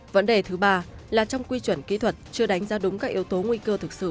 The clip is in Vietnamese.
vấn đề thứ ba là trong quy chuẩn kỹ thuật chưa đánh giá đúng các yếu tố nguy cơ thực sự